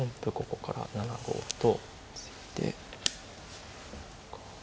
ここから７五歩と突いて。